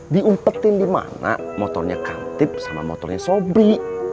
diumpetin dimana motornya kantip sama motornya sobri